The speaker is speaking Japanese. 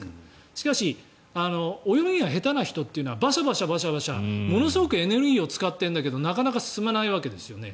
しかし泳ぎが下手な人はバシャバシャとものすごくエネルギーを使ってるけどなかなか進まないわけですよね。